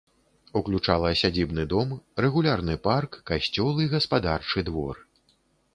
Уключала сядзібны дом, рэгулярны парк, касцёл і гаспадарчы двор.